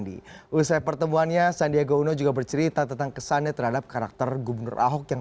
dan juga masalah harga bahan